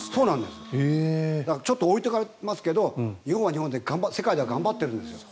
ちょっと置いてかれていますけど日本は日本で世界では頑張ってるんです。